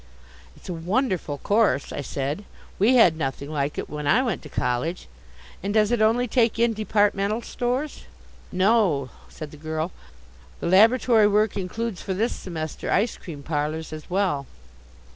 "It's a wonderful course," I said. "We had nothing like it when I went to college. And does it only take in departmental stores?" "No," said the girl, "the laboratory work includes for this semester ice cream parlours as well."